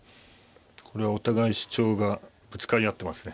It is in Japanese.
これはお互い主張がぶつかり合ってますね。